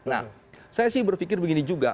nah saya sih berpikir begini juga